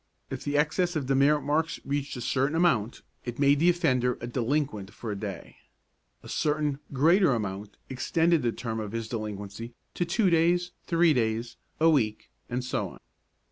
If the excess of demerit marks reached a certain amount, it made the offender a delinquent for a day; a certain greater amount extended the term of his delinquency to two days, three days, a week, and so on.